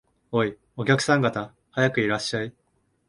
おい、お客さん方、早くいらっしゃい